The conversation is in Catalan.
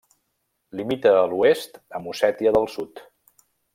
Limita a l'oest amb Ossètia del Sud.